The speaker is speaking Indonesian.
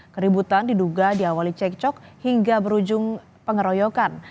keributan diduga diawali cekcok hingga berujung pengeroyokan